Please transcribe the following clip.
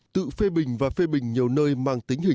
tự phê bình và phê bình nhiều nơi mang tính hình